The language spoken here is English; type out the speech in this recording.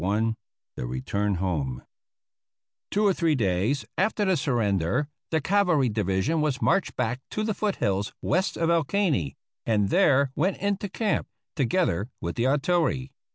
VI THE RETURN HOME Two or three days after the surrender the cavalry division was marched back to the foothills west of El Caney, and there went into camp, together with the artillery.